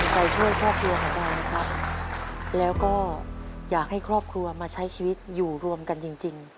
ใจช่วยครอบครัวของการครับแล้วก็อยากให้ครอบครัวมาใช้ชีวิตอยู่รวมกันจริง